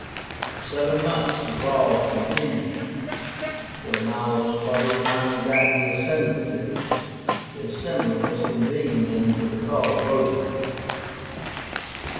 For seven months the brawl continued, till Milo's party finally got the ascendancy; the Assembly was convened, and the recall voted.